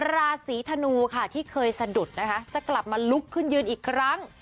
ราศีธนูค่ะที่เคยสะดุดนะคะจะกลับมาลุกขึ้นยืนอีกครั้ง